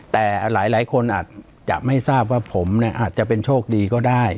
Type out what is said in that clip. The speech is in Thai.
แต่หลายคนอาจจะไม่ทราบว่าผมอาจจะเป็นโชคดีก็ได้